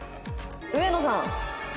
「植野さん」